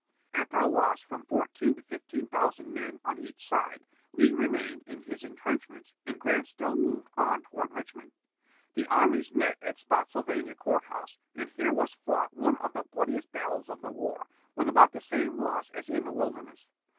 After a loss of from fourteen to fifteen thousand men on each side, Lee remained in his intrenchments and Grant still moved on toward Richmond. The armies met at Spottsylvania Court House, and here was fought one of the bloodiest battles of the war, with about the same loss as in the Wilderness.